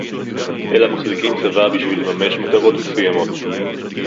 אלא מחזיקים צבא בשביל לממש מטרות מסוימות